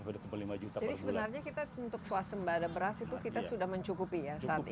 jadi sebenarnya kita untuk swasem pada beras itu kita sudah mencukupi ya saat ini